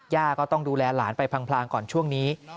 ย่าก็ต้องดูแลหลานไปพลางก่อนช่วงนี้